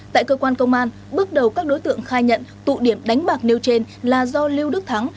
tại cơ quan công an bước đầu các đối tượng khai nhận tụ điểm đánh bạc nêu trên là do lưu đức thắng